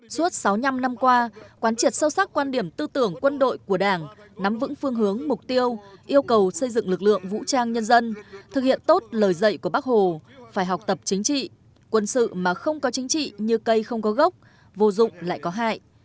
suốt sáu mươi năm năm qua quán triệt sâu sắc quan điểm tư tưởng quân đội của đảng nắm vững phương hướng mục tiêu yêu cầu xây dựng lực lượng vũ trang nhân dân thực hiện tốt lời dạy của bác hồ phải học tập chính trị quân sự mà không có chính trị như cây không có gốc vô dụng lại có hại